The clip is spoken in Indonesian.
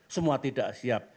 semua tidak siap